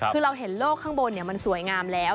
คือเราเห็นโลกข้างบนมันสวยงามแล้ว